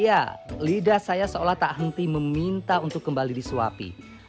ya lidah saya seolah tak henti meminta untuk kembali disuapi